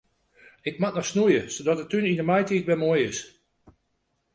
Ik moat noch snoeie sadat de tún yn de maitiid wer moai is.